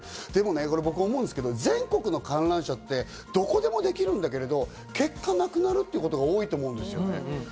僕、思うんですけど全国の観覧車ってどこでもできるんだけど、結果なくなるってことが多いと思うんですね。